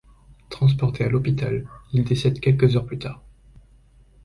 Transporté à l’hôpital, il décède quelques heures plus tard.